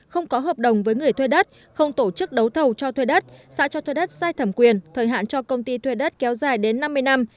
không có hợp đồng với người thuê đất không tổ chức đấu thầu cho thuê đất xã cho thuê đất sai thẩm quyền thời hạn cho công ty thuê đất kéo dài đến năm mươi năm